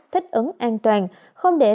thích ứng an toàn không để